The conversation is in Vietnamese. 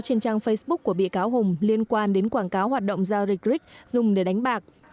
trên trang facebook của bị cáo hùng liên quan đến quảng cáo hoạt động giao dịch brics dùng để đánh bạc